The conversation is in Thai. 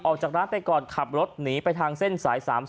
ออกจากร้านไปก่อนขับรถหนีไปทางเส้นสาย๓๐